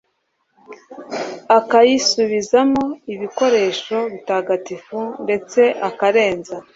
akayisubizamo ibikoresho bitagatifu ndetse akarenza